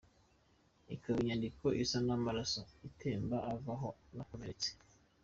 Ikaba inyandiko isa n’amaraso atemba ava aho nakomeretse.